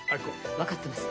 分かってます。